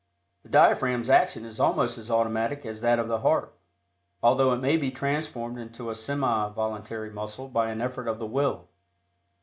The diaphragm's action is almost as automatic as that of the heart, although it may be transformed into a semi voluntary muscle by an effort of the will.